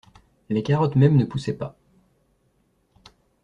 Les carottes mêmes ne poussaient pas.